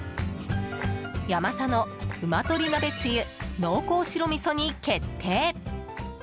ヤマサのうま鶏鍋つゆ濃厚白みそに決定。